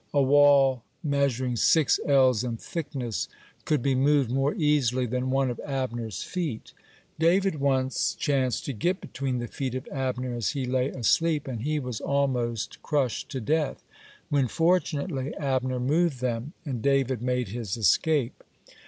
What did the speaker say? A wall measuring six ells in thickness could be moved more easily than one of Abner's feet. (84) David once chanced to get between the feet of Abner as he lay asleep, and he was almost crushed to death, when fortunately Abner moved them, and David made his escape.